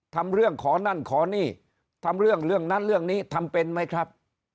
ทำเรื่องขอนั่นขอนี่ทำเรื่องเรื่องนั้นเรื่องนี้ทำเป็นไหมครับ